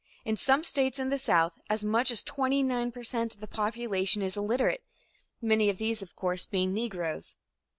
In some states in the South as much as 29 per cent of the population is illiterate, many of these, of course, being Negroes.